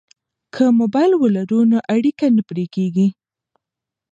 که موبایل ولرو نو اړیکه نه پرې کیږي.